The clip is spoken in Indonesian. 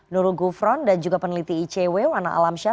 ada wakil ketua kpk nurul gufron dan juga peneliti icw wana alamsyah